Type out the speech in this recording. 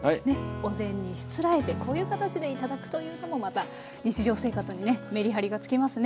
お膳にしつらえてこういう形で頂くというのもまた日常生活にねメリハリがつきますね。